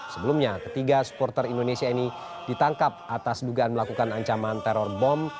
sebelumnya ketiga supporter indonesia ini ditangkap atas dugaan melakukan ancaman teror bom